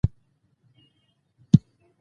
ټول د اساسي قانون له ښېګڼو برخمن وي.